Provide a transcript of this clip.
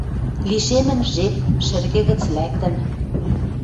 Лишемӹн жеп. Шӹргӹ гӹц лӓктӹн